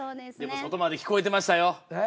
でも外まで聞こえてましたよ